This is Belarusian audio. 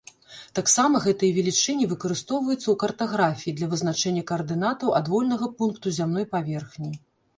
Таксама гэтыя велічыні выкарыстоўваюцца ў картаграфіі для вызначэння каардынатаў адвольнага пункту зямной паверхні.